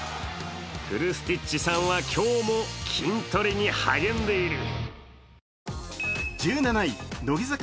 クルスティッチさんは今日も筋トレに励んでいる。